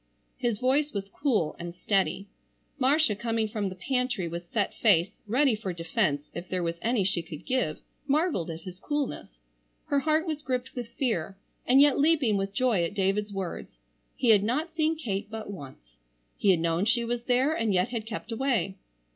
His voice was cool and steady. Marcia coming from the pantry with set face, ready for defence if there was any she could give, marvelled at his coolness. Her heart was gripped with fear, and yet leaping with joy at David's words. He had not seen Kate but once. He had known she was there and yet had kept away.